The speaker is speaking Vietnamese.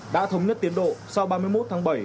đã thống nhất tiến độ sau ba mươi một tháng bảy